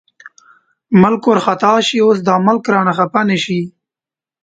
ملک وارخطا شي، اوس دا ملک رانه خپه نه شي.